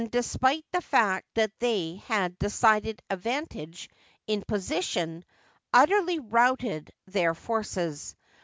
despite the fiict that they had a decided advantage in position, utterly routed their forces.